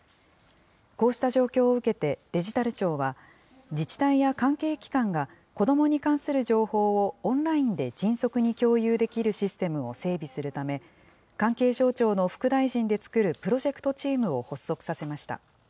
こうした状況を受けてデジタル庁は、自治体や関係機関が子どもに関する情報をオンラインで迅速に共有できるシステムを整備するため、関係省庁の副大臣で作るプロジェクトチームを発足させました。